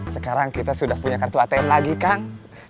sekarang kita sudah punya kartu atm lagi kang